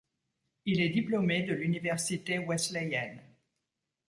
Il est diplômé de l'Université Wesleyenne.